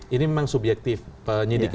ini memang subjektif penyidik ya